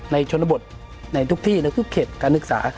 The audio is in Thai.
ชนบทในทุกที่ในทุกเขตการศึกษา